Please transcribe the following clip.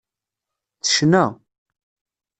Tecna.